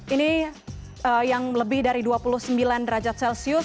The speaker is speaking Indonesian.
ini yang lebih dari dua puluh sembilan derajat celcius